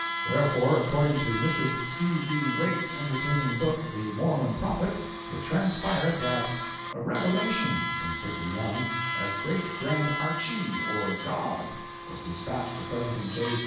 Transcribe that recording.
Wherefore, according to Mrs. C. V. Waite's entertaining book, "The Mormon Prophet," it transpired that— "A 'revelation' from Brigham Young, as Great Grand Archee or God, was dispatched to President J.